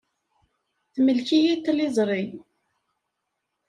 Temlek-iyi tliẓri.